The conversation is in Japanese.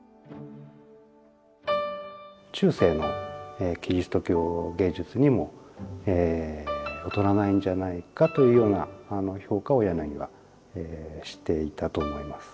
中世のキリスト教芸術にも劣らないんじゃないかというような評価を柳はしていたと思います。